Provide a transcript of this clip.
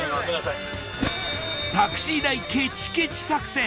タクシー代ケチケチ作戦。